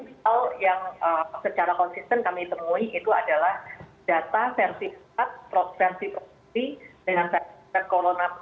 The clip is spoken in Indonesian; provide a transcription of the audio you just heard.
tapi tiga hal yang secara konsisten kami temui itu adalah data versi empat versi tiga dengan versi corona di kota kota itu seringkali ada yang